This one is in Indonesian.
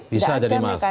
bisa jadi mas